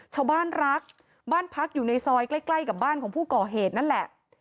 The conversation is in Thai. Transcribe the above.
ชาวบ้านรักบ้านพักอยู่ในซอยใกล้กับบ้านของผู้ก่อเหตุนั่นแหละ